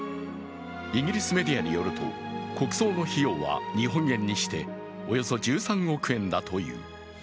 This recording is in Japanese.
イギリスメディアによると、国葬の費用は日本円にしておよそ１３億円だという。